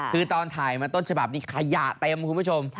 คือตอนถ่ายมาต้นฉบับนี้ขยะเต็มคุณผู้ชม